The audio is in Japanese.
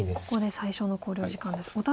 ここで最初の考慮時間です。